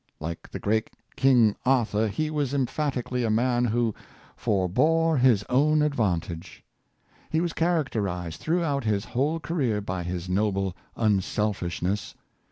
Like the great King Arthur, he was emphatically a man who " forbore his own advantage."" He was characterized throughout his whole career by , his noble unselfishness.